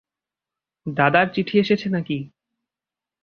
দাদার চিঠি এসেছে নাকি?